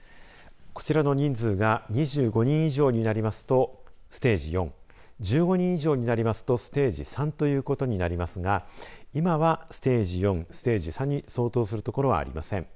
こちらの人数が２５人以上になりますとステージ４１５人以上になりますとステージ３ということになりますが今は、ステージ４、ステージ３に相当する所はありません。